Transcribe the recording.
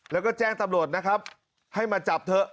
แล้วก็แจ้งตำรวจนะครับให้มาจับเถอะ